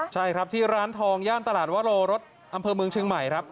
ใช่ครับที่ร้านทองย่านตลาดวโรรสอำเภอเมืองเชียงใหม่ครับ